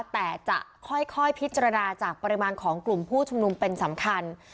แต่จะค่อยพิจารณาจากปริมาณของกลุ่มผู้ชุมนุมเป็นสำคัญ